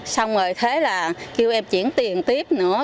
xong rồi thế là kêu em chuyển tiền tiếp nữa